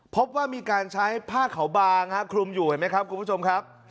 พบว่ามีการใช้ผ้าขาวบางคลุมอยู่เห็นไหมครับคุณผู้ชมครับ